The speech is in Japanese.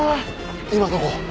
今どこ？